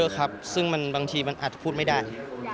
เยอะครับซึ่งมันบางทีอาจพูดไม่ได้